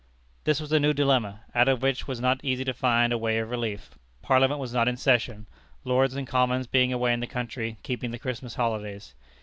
This was a new dilemma, out of which it was not easy to find a way of relief. Parliament was not in session, Lords and Commons being away in the country keeping the Christmas holidays.